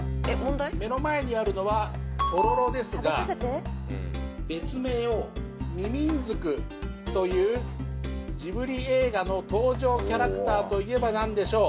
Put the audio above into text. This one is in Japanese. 目の前にあるのはとろろですが別名をミミンズクというジブリ映画の登場キャラクターといえば何でしょう？